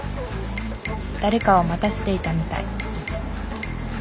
誰かを待たせていたみたい。